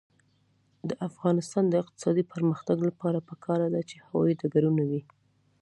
د افغانستان د اقتصادي پرمختګ لپاره پکار ده چې هوايي ډګرونه وي.